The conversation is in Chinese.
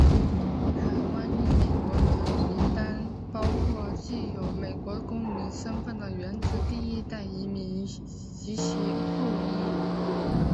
台湾裔美国人名单包括具有美国公民身份的原始第一代移民及其后裔。